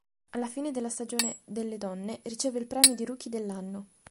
Alla fine della stagione Delle Donne riceve il premio di Rookie dell'anno.